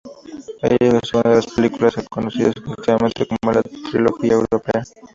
Es la segunda de las películas conocidas colectivamente como la trilogía europea.